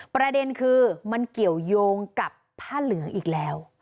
ประเด็นคือมันเกี่ยวยงกับผ้าเหลืองอีกแล้ว